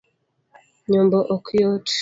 Nyombo ok yot